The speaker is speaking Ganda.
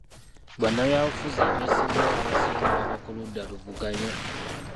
Bannabyabufuzi abeesimbyewo abasinga bava ku ludda luvuganya.